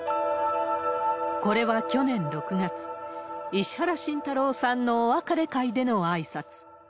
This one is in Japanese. これは去年６月、石原慎太郎さんのお別れ会でのあいさつ。